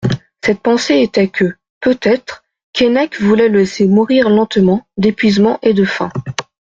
Cette pensée était que, peut-être, Keinec voulait le laisser mourir lentement d'épuisement et de faim.